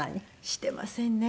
してませんね